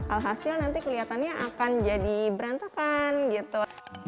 alhasil nanti kelihatannya akan jadi berantakan gitu